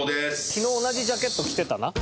昨日同じジャケット着てたな？